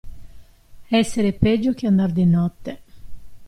Essere peggio che andar di notte.